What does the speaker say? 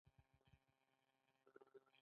کله چې پانګوال تولید شوي توکي بازار ته وړي